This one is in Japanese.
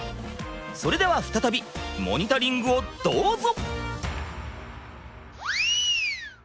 それでは再びモニタリングをどうぞ！